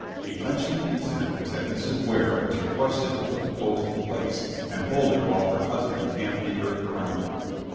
A touching incident was that Mrs. Ware was requested to put the post in place and hold it while her husband tamped the earth around it.